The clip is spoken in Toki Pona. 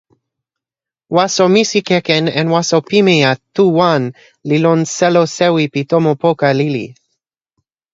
waso Misikeken en waso pimeja tu wan li lon selo sewi pi tomo poka lili.